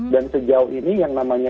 dan sejauh ini yang namanya